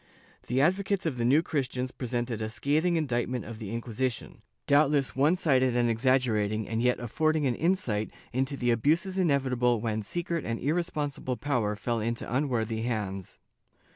The advocates of the New Christians presented a scathing indictment of the Inquisition, doubtless one sided and exaggerated and yet affording an insight into the abuses inevitable when secret and irresponsible power fell into unworthy hands.